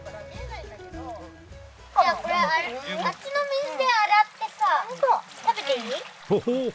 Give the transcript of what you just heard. じゃあこれあっちの水で洗ってさ食べていい？